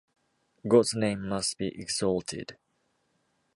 God's name must be exalted.